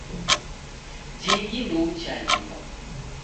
Jingi ndouchaliw'a.